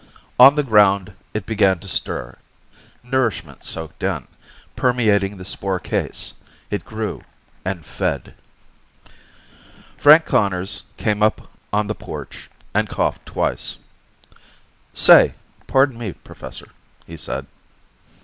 On the ground, it began to stir. Nourishment soaked in, permeating the spore case. It grew and fed. Frank Conners came up on the porch and coughed twice. "Say, pardon me, Professor," he said.